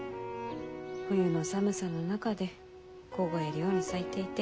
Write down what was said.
冬の寒さの中で凍えるように咲いていて。